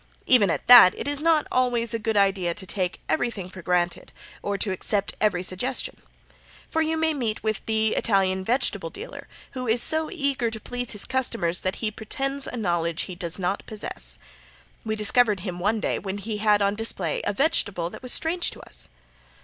Even at that it is not always a good idea to take everything for granted or to accept every suggestion, for you may meet with the Italian vegetable dealer who is so eager to please his customers that he pretends a knowledge he does not possess. We discovered him one day when he had on display a vegetable that was strange to us.